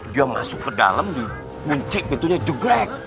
dia masuk ke dalam dikunci pintunya jegrek